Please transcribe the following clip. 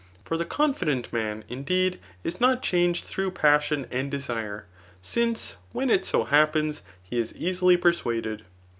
For the confident man, indeed, is not clumged through passion and desire ; since when it so happens, he is easily persuaded.